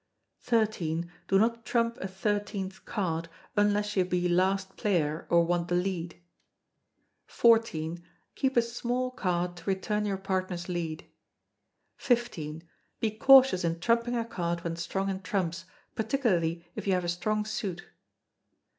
xiii. Do not trump a thirteenth card, unless you be last player, or want the lead. xiv. Keep a small card to return your partner's lead. xv. Be cautious in trumping a card when strong in trumps, particularly if you have a strong suit.